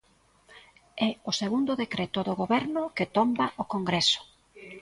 É o segundo decreto do Goberno que tomba o Congreso.